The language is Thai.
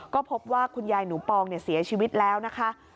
ก็พบว่าคุณยายหนูปองเสียชีวิตแล้วนะคะ